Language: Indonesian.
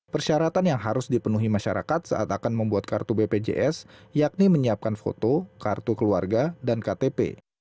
persyaratan yang harus dipenuhi masyarakat saat akan membuat kartu bpjs yakni menyiapkan foto kartu keluarga dan ktp